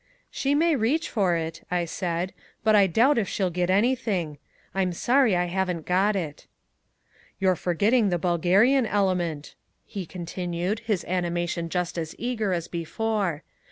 "She may reach for it," I said, "but I doubt if she'll get anything. I'm sorry. I haven't got it." "You're forgetting the Bulgarian element," he continued, his animation just as eager as before.